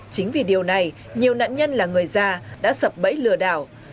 chính vì điều này nhiều nạn nhân là người già đã sập bẫy lừa đảo